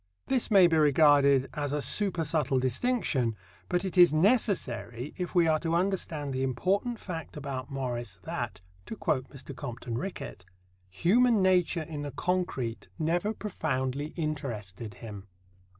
This may be regarded as a supersubtle distinction; but it is necessary if we are to understand the important fact about Morris that to quote Mr. Compton Rickett "human nature in the concrete never profoundly interested him."